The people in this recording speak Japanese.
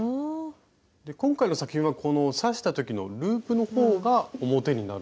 今回の作品はこの刺した時のループのほうが表になる？